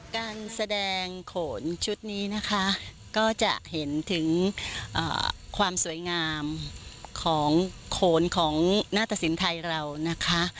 การแสดงโขนชุดนี้นะคะก็จะเห็นถึงความสวยงามของโขนของหน้าตะสินไทยเรานะคะ